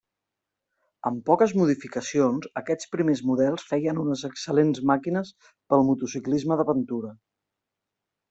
Amb poques modificacions, aquests primers models feien unes excel·lents màquines pel motociclisme d'aventura.